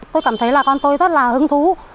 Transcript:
tôi cảm thấy là con tôi rất là hứng thú